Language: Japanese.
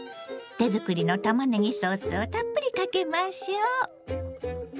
手作りのたまねぎソースをたっぷりかけましょ。